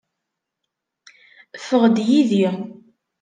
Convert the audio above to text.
Ffeɣ-d yid-i.